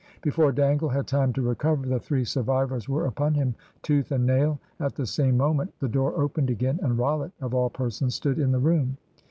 Before Dangle had time to recover, the three survivors were upon him tooth and nail; at the same moment the door opened again, and Rollitt, of all persons, stood in the room.